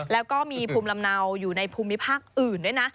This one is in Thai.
แล้วก็มีภูมิลำเนาอยู่ในภูมิภาคอื่นด้วยนะ